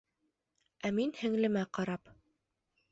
Ә мин һеңлемә ҡарап: